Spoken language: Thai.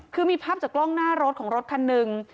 คือมีภาพจากกล้องหน้ารถของรถคันหนึ่ง